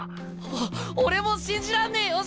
お俺も信じらんねえよ